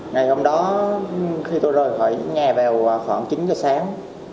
ngày hôm đó khi tôi rời khỏi nhà vào khoảng chín giờ sáng